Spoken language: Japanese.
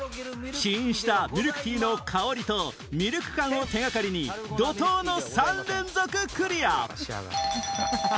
試飲したミルクティーの香りとミルク感を手掛かりに怒濤の３連続クリア！